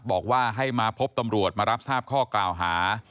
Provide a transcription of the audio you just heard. บอกว่าให้มาพบตำรวจมารับทราบข้อกล่าวหา